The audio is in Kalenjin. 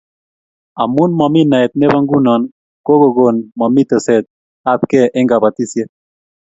amun mami naet nebo nguno kokogon mami teset ab kee eng kabatishiet